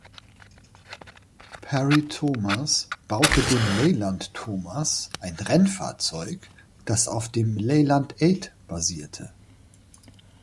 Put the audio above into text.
Parry-Thomas baute den Leyland-Thomas, ein Rennfahrzeug, das auf dem Leyland Eight basierte.